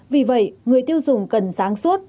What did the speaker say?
vì vậy người tiêu dùng cần sáng suốt